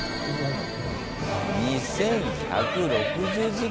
２，１６０時間を。